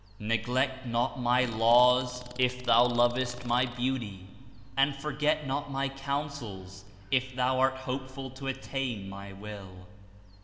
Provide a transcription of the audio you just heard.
Neglect not my Laws if thou loves t my Beauty, and forget not my Counsels if thou art hopeful to attain my inil.''